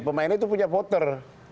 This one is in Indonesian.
pemainnya itu punya voter